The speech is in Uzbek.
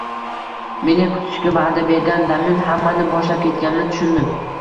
Meni kutishga va’da bergan Damin hammani boshlab ketganini tushundim.